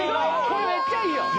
・これめっちゃいいやん